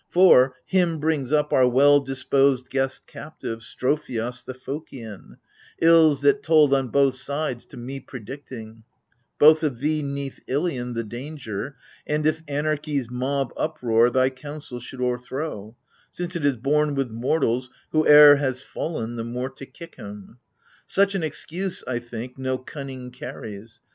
For, him brings up our well disposed guest captive Strophios the Phokian — ills that told on both sides To me predicting — both of thee 'neath Ilion The danger, and if anarchy's mob uproar " Thy council should o'erthrow ; since it is born with Mortals, — whoe'er has fallen, the more to kick him. Such an excuse, I think, no cunning carries